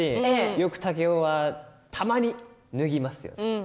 よく竹雄はたまに脱ぎます。